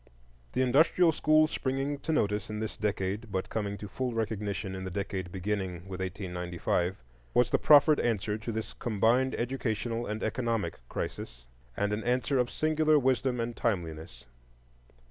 The industrial school springing to notice in this decade, but coming to full recognition in the decade beginning with 1895, was the proffered answer to this combined educational and economic crisis, and an answer of singular wisdom and timeliness.